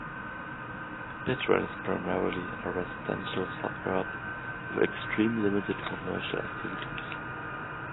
Bidwill is primarily a residential suburb with extremely limited commercial activity.